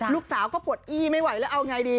ลูกสาวก็ปวดอี้ไม่ไหวแล้วเอาไงดี